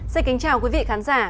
xin kính chào quý vị khán giả